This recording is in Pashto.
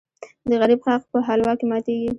د غریب غاښ په حلوا کې ماتېږي .